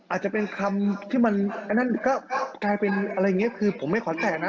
อาจจะเป็นคำที่มันอันนั้นก็กลายเป็นอะไรอย่างนี้คือผมไม่ขอแตะนะ